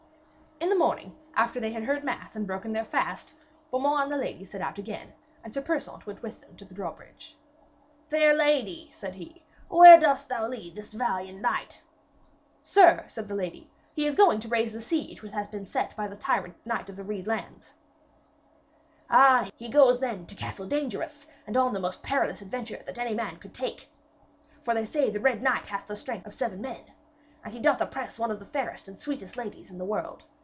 In the morning, after they had heard mass and broken their fast, Beaumains and the lady set out again, and Sir Persaunt went with them to the drawbridge. 'Fair lady,' said he, 'where dost thou lead this valiant knight?' 'Sir,' said the lady, 'he is going to raise the siege which hath been set by the tyrant knight of the Reed Lands.' 'Ah, then he goes to Castle Dangerous, and on the most perilous adventure that any man could take. For they say the Red Knight hath the strength of seven men. And he doth oppress one of the fairest and sweetest ladies in the world.